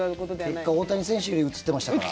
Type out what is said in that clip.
結果、大谷選手より映ってましたから。